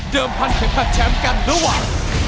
เดิมพันธุ์ขึ้นกับแชมป์กันระหว่าง